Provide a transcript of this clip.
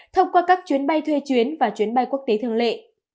thông qua các chuyến bay thuê chuyến và chuyến bay quốc tế thường lệ